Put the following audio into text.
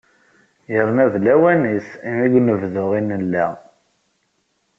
Yerna d lawan-is, imi deg unebdu i nella.